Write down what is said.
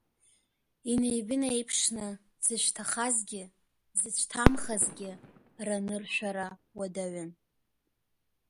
Инеибынеиԥшны дзыцәҭахазгьы дзыцәҭамхазгьы раныршәара уадаҩын.